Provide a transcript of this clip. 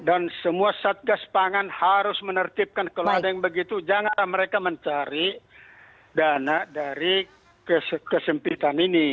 dan semua satgas pangan harus menertibkan kalau ada yang begitu janganlah mereka mencari dana dari kesempitan ini